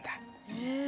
へえ。